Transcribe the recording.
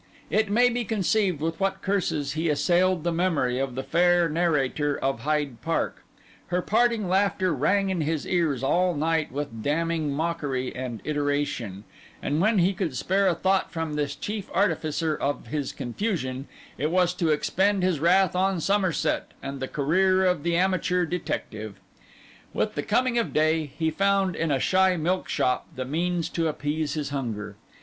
It may be conceived with what curses he assailed the memory of the fair narrator of Hyde Park; her parting laughter rang in his ears all night with damning mockery and iteration; and when he could spare a thought from this chief artificer of his confusion, it was to expend his wrath on Somerset and the career of the amateur detective. With the coming of day, he found in a shy milk shop the means to appease his hunger.